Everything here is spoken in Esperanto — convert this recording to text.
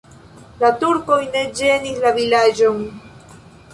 La turkoj ne ĝenis la vilaĝon.